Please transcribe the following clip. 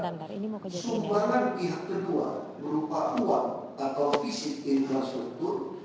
agar sumbangan pihak kedua berupa uang atau fisik infrastruktur